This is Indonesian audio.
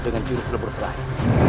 dengan jurus lebrus lain